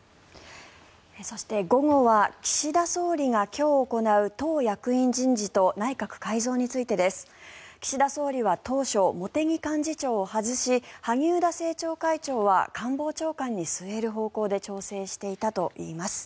そして午後は岸田総理が今日行う党役員人事と内閣改造についてです。岸田総理は当初、茂木幹事長を外し萩生田政調会長は官房長官に据える方向で調整していたといいます。